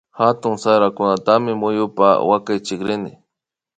Hatun sarakunatami muyupa wakaychirin